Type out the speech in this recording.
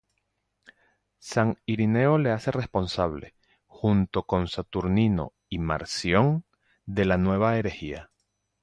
San Ireneo le hace responsable, junto con Saturnino y Marción, de la nueva herejía.